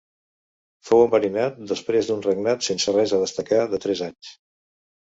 Fou enverinat després d'un regnat sense res a destacar de tres anys.